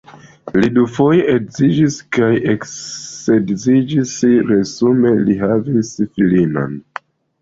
Li dufoje edziĝis kaj eksedziĝis, resume li havis filinon.